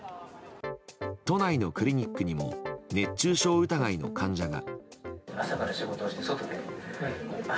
都内のクリニックにも熱中症疑いの患者が。